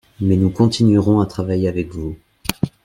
mais nous continuerons à travailler avec vous